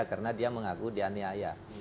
karena dia mengaku dianiaya